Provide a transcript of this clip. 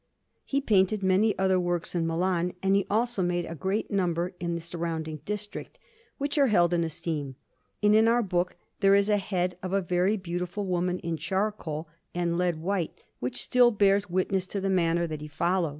He painted many other works in Milan, and he also made a good number in the surrounding district, which are held in esteem; and in our book there is a head of a very beautiful woman, in charcoal and lead white, which still bears witness to the manner that he followed.